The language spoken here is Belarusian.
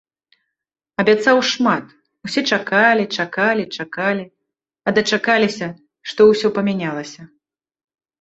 Абяцаў шмат, усе чакалі, чакалі, чакалі, а дачакаліся, што ўсё памянялася.